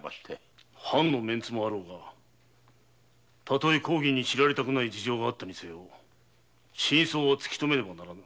藩のメンツもあろうが例え公儀に知られたくない事情があっても真相は知らねばならぬ。